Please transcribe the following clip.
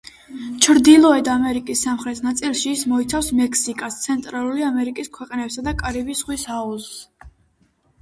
ჩრდილოეთ ამერიკის სამხრეთ ნაწილში ის მოიცავს მექსიკას, ცენტრალური ამერიკის ქვეყნებსა და კარიბის ზღვის აუზს.